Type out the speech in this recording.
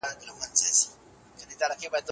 د ارغنداب سیند د طبیعت یو ښکلی انځور وړاندې کوي.